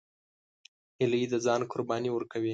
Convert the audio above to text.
هیلۍ د ځان قرباني ورکوي